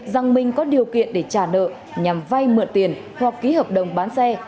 rằng mình có điều kiện để trả nợ nhằm vay mượn tiền hoặc ký hợp đồng bán xe